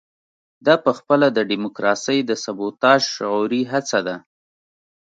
دا پخپله د ډیموکراسۍ د سبوتاژ شعوري هڅه ده.